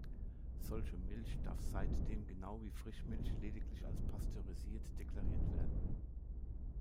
Solche Milch darf seitdem genau wie Frischmilch lediglich als "pasteurisiert" deklariert werden.